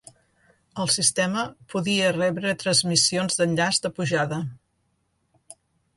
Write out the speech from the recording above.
El sistema podia rebre transmissions d'enllaç de pujada.